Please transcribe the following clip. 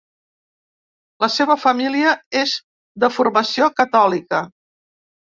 La seva família és de formació catòlica.